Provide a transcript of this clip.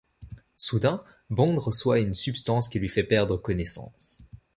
Soudain Bond reçoit une substance qui lui fait perdre connaissance.